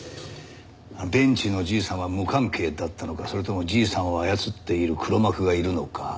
ベンチのじいさんは無関係だったのかそれともじいさんを操っている黒幕がいるのか。